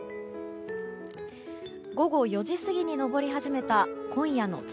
午後４時過ぎに上り始めた今夜の月。